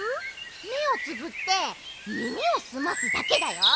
めをつぶってみみをすますだけだよ。